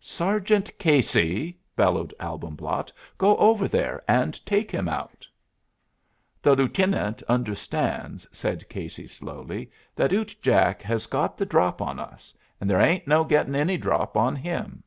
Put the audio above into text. "Sergeant Casey," bellowed Albumblatt, "go over there and take him out!" "The Lootenant understands," said Casey, slowly, "that Ute Jack has got the drop on us, and there ain't no getting any drop on him."